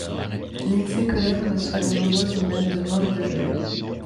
Lindsey Collen reçoit de nombreuses menaces de mort et de viol.